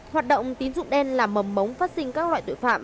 hoạt động tín dụng đen là mầm mống phát sinh các loại tội phạm